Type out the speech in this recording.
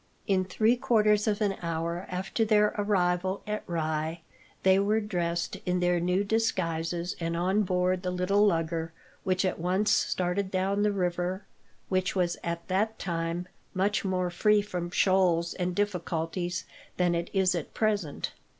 In three quarters of an hour after their arrival at Rye, they were dressed in their new disguises and on board the little lugger, which at once started down the river, which was at that time much more free from shoals and difficulties than it is at present.